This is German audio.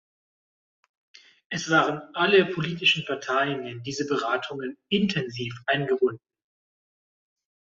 Es waren alle politischen Parteien in diese Beratungen intensiv eingebunden.